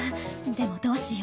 でもどうしよう。